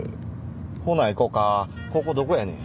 ほな行こかここどこやねん？